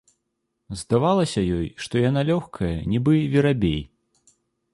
Здавалася ёй, што яна лёгкая, нібы верабей.